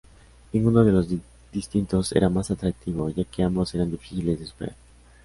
Ninguno de los destinos era más atractivo ya que ambos eran difíciles de superar.